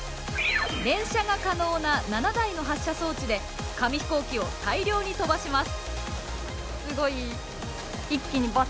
連射が可能な７台の発射装置で紙ヒコーキを大量に飛ばします。